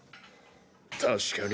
確かに。